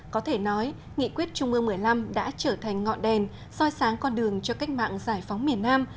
có thể nói nghị quyết trung ương một mươi năm đã trở thành ngọn đèn soi sáng con đường cho cách mạng giải phóng miền nam